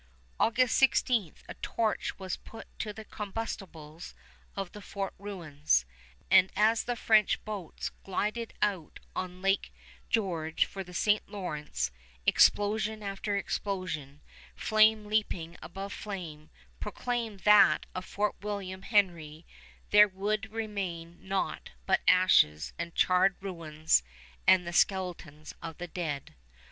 August 16 a torch was put to the combustibles of the fort ruins, and as the French boats glided out on Lake George for the St. Lawrence, explosion after explosion, flame leaping above flame, proclaimed that of Fort William Henry there would remain naught but ashes and charred ruins and the skeletons of the dead.